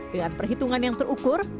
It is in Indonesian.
dengan perhitungan yang terukur